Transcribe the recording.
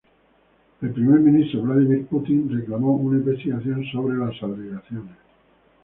El primer ministro Vladímir Putin reclamó una investigación sobre las alegaciones.